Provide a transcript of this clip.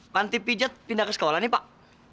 panti pijat pindah ke sekolah nih pak